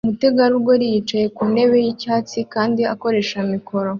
Umutegarugori yicaye ku ntebe yicyatsi kandi akoresha mikoro